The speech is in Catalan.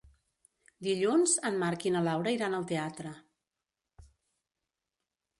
Dilluns en Marc i na Laura iran al teatre.